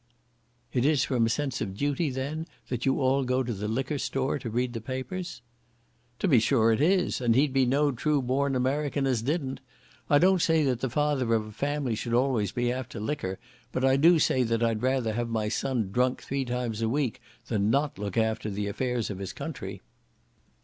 "It is from a sense of duty, then, that you all go to the liquor store to read the papers?" "To be sure it is, and he'd be no true born American as didn't. I don't say that the father of a family should always be after liquor, but I do say that I'd rather have my son drunk three times in a week, than not look after the affairs of his country."